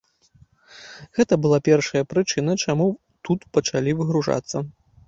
Гэта была першая прычына, чаму тут пачалі выгружацца.